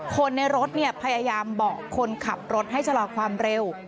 คนในรถพยายามบอกคนขับรถให้ชะลอความเร็ว